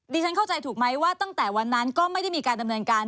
ฉันเข้าใจถูกไหมว่าตั้งแต่วันนั้นก็ไม่ได้มีการดำเนินการ